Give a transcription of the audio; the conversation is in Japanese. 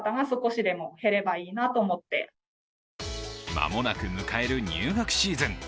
間もなく迎える入学シーズン。